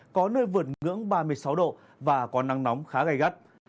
có nơi vượt ngưỡng ba mươi sáu độ và có nắng nóng khá gây gắt